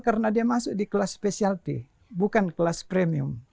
karena dia masuk kelas speciality bukan kelas premium